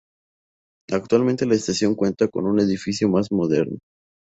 Actualmente la estación cuenta con un edificio más moderno.